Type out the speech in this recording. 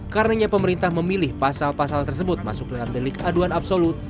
karenanya pemerintah memilih pasal pasal tersebut masuk dalam delik aduan absolut